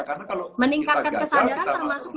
karena kalau kita garda kita masuk rumah